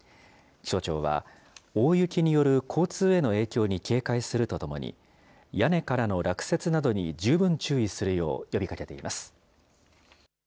気象庁は、大雪による交通への影響に警戒するとともに、屋根からの落雪などに十分注意するよう呼びかけています。